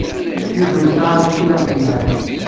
Yuba yesɛa tacehṛit yelhan.